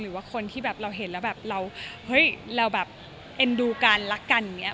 หรือว่าคนที่แบบเราเห็นแล้วแบบเราเฮ้ยเราแบบเอ็นดูกันรักกันอย่างนี้